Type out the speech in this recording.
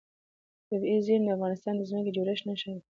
طبیعي زیرمې د افغانستان د ځمکې د جوړښت نښه ده.